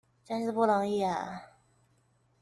真是不容易啊！